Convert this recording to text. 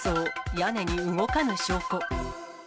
屋根に動かぬ証拠。